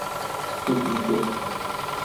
父亲是。